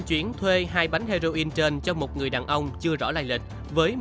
thuộc địa phận phối hợp với hai đồn biên phòng thánh luân và thơm